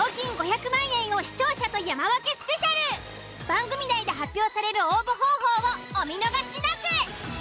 番組内で発表される応募方法をお見逃しなく！